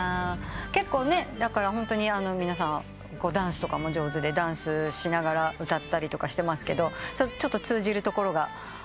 結構皆さんダンスとかも上手でダンスしながら歌ったりしてますけどちょっと通じるところがある感じ。